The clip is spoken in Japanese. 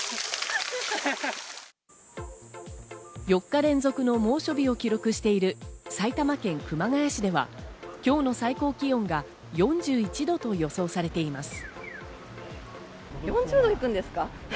４日連続の猛暑日を記録している埼玉県熊谷市では、今日の最高気温が４１度と予想されています。